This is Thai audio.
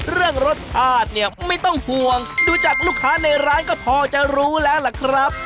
เรื่องรสชาติเนี่ยไม่ต้องห่วงดูจากลูกค้าในร้านก็พอจะรู้แล้วล่ะครับ